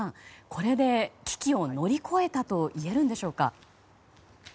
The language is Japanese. これで危機を乗り越えたと言えるのでしょうか。